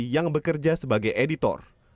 yang bekerja sebagai editor